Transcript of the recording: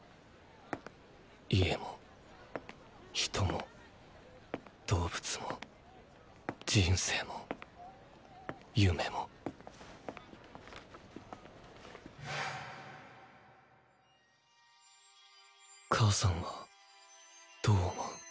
家も人も動物も人生も夢も母さんはどう思う。